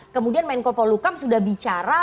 kemudian menko polukam sudah bicara